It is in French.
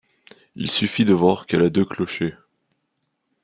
Il suffit de voir qu'elle a deux clochers.